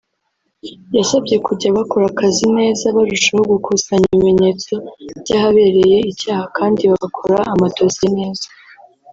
yasabye kujya bakora akazi neza barushaho gukusanya ibimenyetso by’ahabereye icyaha kandi bagakora amadosiye neza